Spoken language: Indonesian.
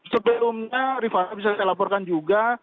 sebelumnya rifat bisa saya laporkan juga